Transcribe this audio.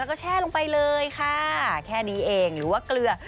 แล้วก็แช่ลงไปเลยค่ะแค่นี้เองหรือว่าเกลือ